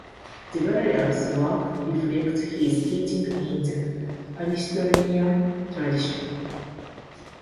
Zabarella's work reflects his teaching in the Aristotelian tradition.